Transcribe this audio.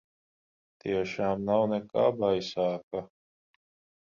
Tiešām nav nekā baisāka?